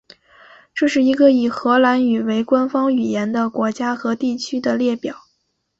这是一个以荷兰语为官方语言的国家和地区的列表。